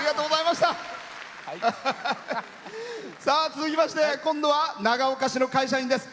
続きまして今度は長岡市の会社員です。